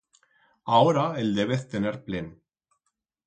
Aora el debez tener plen.